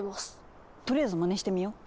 とりあえずまねしてみよう。